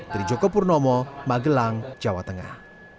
dari jokopurnomo magelang jawa tengah